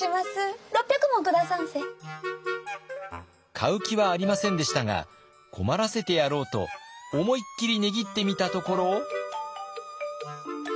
買う気はありませんでしたが困らせてやろうと思いっきり値切ってみたところ。